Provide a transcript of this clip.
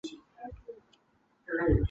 西尔瓦内。